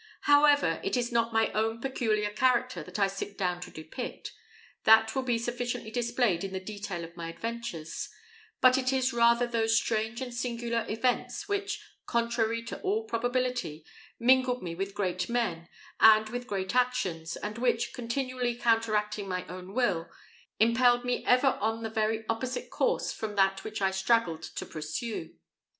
However, it is not my own peculiar character that I sit down to depict that will be sufficiently displayed in the detail of my adventures: but it is rather those strange and singular events which, contrary to all probability, mingled me with great men, and with great actions, and which, continually counteracting my own will, impelled me ever on the very opposite course from that which I straggled to pursue.